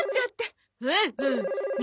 ほうほう見